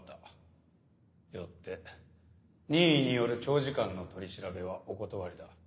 よって任意による長時間の取り調べはお断りだ。